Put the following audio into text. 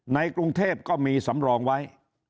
ในกรุงเทพก็มีสำรองไว้